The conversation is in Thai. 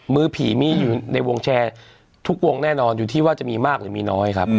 มือผีมีอยู่ในวงแชร์ทุกวงแน่นอนอยู่ที่ว่าจะมีมากหรือมีน้อยครับ